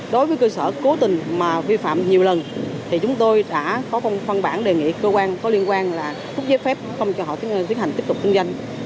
đối với cơ sở cố tình mà vi phạm nhiều lần thì chúng tôi đã có phân bản đề nghị cơ quan có liên quan là phút giấy phép không cho họ tiến hành tiếp tục kinh doanh